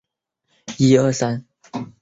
一般涨满潮至刚退潮之间是观察良时。